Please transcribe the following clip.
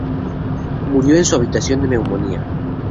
Murió en su habitación de neumonía.